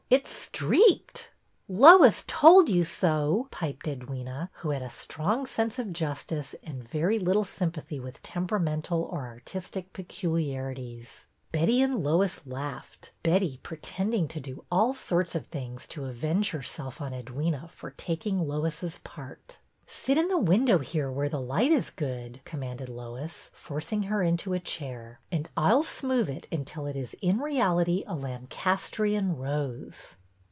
It 's streaked !" Lois told you so," piped Edwyna, who had a strong sense of justice and very little sympathy with temperamental or artistic peculiarities. Lois and Betty laughed, Betty pretending to « SHOCKINGLY YOUNG'' 215 do all sorts of things to avenge herself on Edwyna for taking Lois's part. Sit in the window here where the light is good," commanded Lois, forcing her into a chair, and I 'll smooth it until it is in reality a Lan castrian rose."